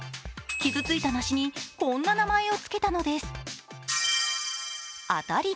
傷ついた梨にこんな名前をつけたのです。